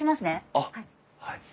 あっはい。